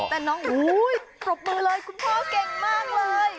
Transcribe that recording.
แต่น้องอุ้ยปรบมือเลยคุณพ่อเก่งมากเลย